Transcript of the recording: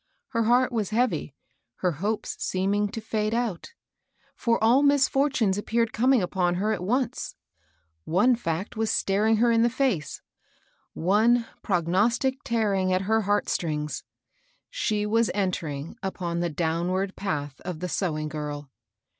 Her heart was heavy, her hopes seeming to fade out; for all misf(H*tunes appeared coming upon her at once. One fact was staring her in the lace, — one prog nostic tearing at her heartnstrings, — she was en tering upon the downward path of the sewing girl.